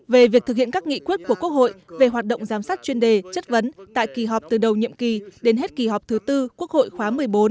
về việc thực hiện các nghị quyết của quốc hội về hoạt động giám sát chuyên đề chất vấn tại kỳ họp từ đầu nhiệm kỳ đến hết kỳ họp thứ tư quốc hội khóa một mươi bốn